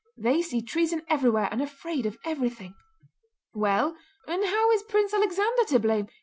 They see treason everywhere and are afraid of everything." "Well, and how is Prince Alexander to blame?